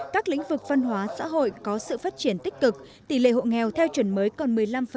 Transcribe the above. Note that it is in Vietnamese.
các lĩnh vực văn hóa xã hội có sự phát triển tích cực tỷ lệ hộ nghèo theo chuẩn mới còn một mươi năm một mươi chín